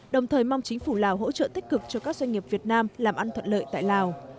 đồng thời mong chính phủ lào hỗ trợ tích cực cho các doanh nghiệp việt nam làm ăn thuận lợi tại lào